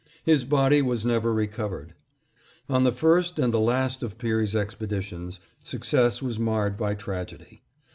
His body was never recovered. On the first and the last of Peary's expeditions, success was marred by tragedy.